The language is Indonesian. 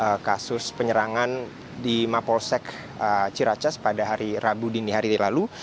pemeriksaan khusus penyerangan di mapolsec ciracas pada hari rabu dini hari ini lalu